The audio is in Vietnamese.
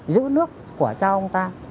giữ nước của cha ông ta